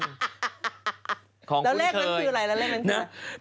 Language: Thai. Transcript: แล้วแรกนั้นคืออะไร